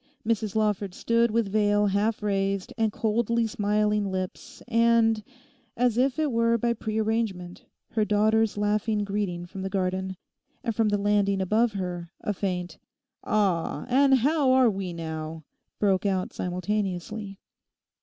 Mrs Lawford stood with veil half raised and coldly smiling lips and, as if it were by pre arrangement, her daughter's laughing greeting from the garden, and from the landing above her, a faint 'Ah, and how are we now?' broke out simultaneously.